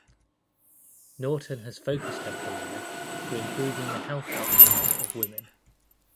Norton has focused her career to improving the health outcomes of women.